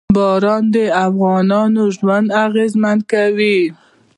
باران د افغانانو ژوند اغېزمن کوي.